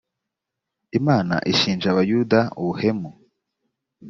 imana ishinja abayuda ubuhemu